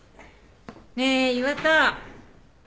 ねえ岩田。